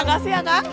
makasih ya kang